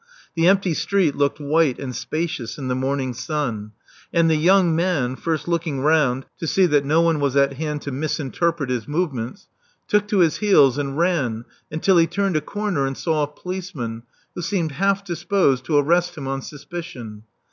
The empty street looked white and spacious in the morning sun; and the young man — first looking round to see that no one was at hand to Love Among the Artists 357 misinterpret his movements — ^took to his heels and ran until he turned a comer and saw a policeman, who seemed half disposed to arrest him on suspicion.